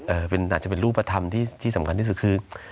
เอ่อเป็นอาจจะเป็นรูปธรรมที่ที่สำคัญที่สุดคือ